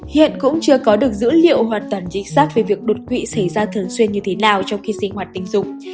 hiện cũng chưa có được dữ liệu hoàn toàn chính xác về việc đột quỵ xảy ra thường xuyên như thế nào trong khi sinh hoạt tình dục